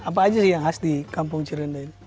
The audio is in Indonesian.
apa aja sih yang khas di kampung cirenda ini